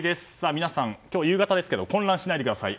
皆さん、今日夕方ですけれど困難しないでください。